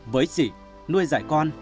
với chị nuôi dạy con